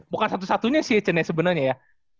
bukan satu satunya sih cene sebenernya ya